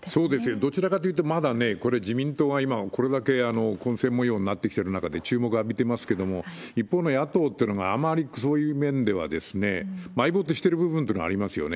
どちらかというと、まだね、これ、自民党が今、これだけ混戦模様になってきている中で、注目浴びてますけれども、一方の野党っていうのがあまりそういう面では、埋没してる部分というのがありますよね。